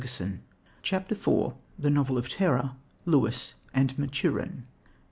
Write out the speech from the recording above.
" CHAPTER IV THE NOVEL OF TERROR. LEWIS AND MATURIN.